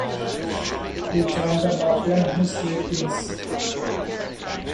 He joined the Mafia in his late teens.